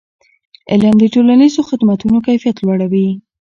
علم د ټولنیزو خدمتونو کیفیت لوړوي.